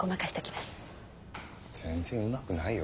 全然うまくないよ